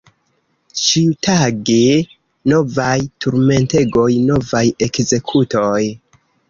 Ĉiutage novaj turmentegoj, novaj ekzekutoj!